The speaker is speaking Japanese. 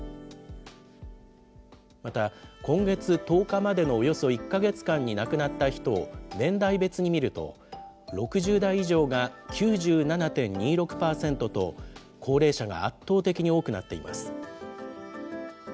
また今月１０日までのおよそ１か月間に亡くなった人を年代別に見ると、６０代以上が９７．２６％と、高齢者が圧倒的に多くなっています。